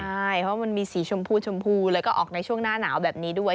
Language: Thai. ใช่เพราะมันมีสีชมพูชมพูแล้วก็ออกในช่วงหน้าหนาวแบบนี้ด้วย